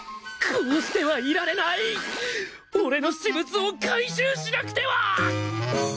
こうしてはいられない！俺の私物を回収しなくてはー！！